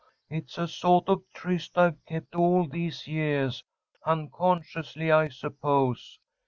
It's a sawt of tryst I've kept all these yeahs, unconsciously, I suppose.